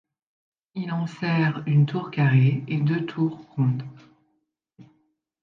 Il enserre une tour carrée et deux tours rondes.